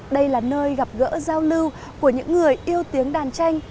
đây là nơi gặp gỡ giao lưu của những người yêu tiếng đàn tranh